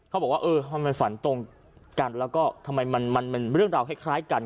บอกว่าเออทำไมฝันตรงกันแล้วก็ทำไมมันเป็นเรื่องราวคล้ายกัน